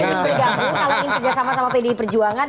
kalau ingin kerja sama pdi perjuangan